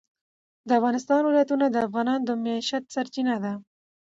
د افغانستان ولايتونه د افغانانو د معیشت سرچینه ده.